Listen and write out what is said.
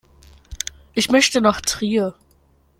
Ich möchte nach Trier